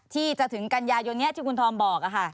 ที่จะถึงกัญญายนที่คุณธอมบอก